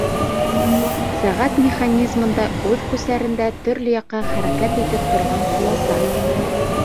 Сәғәт механизмында үҙ күсәрендә төрлө яҡҡа хәрәкәт итеп торған ҡуласа.